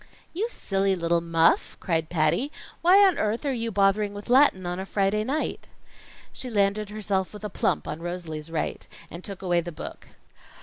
"You silly little muff!" cried Patty. "Why on earth are you bothering with Latin on a Friday night?" She landed herself with a plump on Rosalie's right, and took away the book.